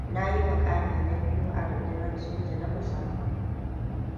Na yi mukami na biyu a rundunar sojojin na musamman.